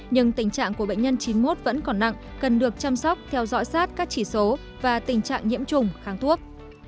nhưng tình trạng của bệnh nhân chín mươi một vẫn còn nặng cần được chăm sóc theo dõi sát các chỉ số và tình trạng nhiễm trùng kháng thuốc